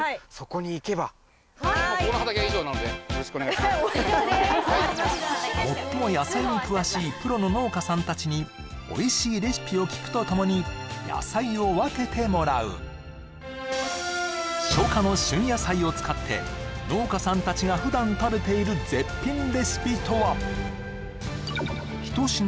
そんなこともあろうかとはい最も野菜に詳しいプロの農家さんたちにおいしいレシピを聞くとともに野菜を分けてもらう初夏の旬野菜を使って農家さんたちが普段食べている絶品レシピとは？